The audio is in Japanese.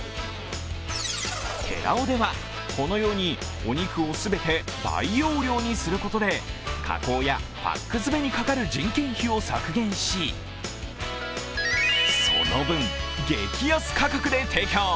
てらおでは、このようにお肉を全て大容量にすることで加工やパック詰めにかかる人件費を削減しその分、激安価格で提供。